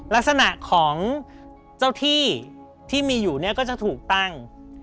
ลักษณะของเจ้าที่ที่มีอยู่เนี่ยก็จะถูกตั้ง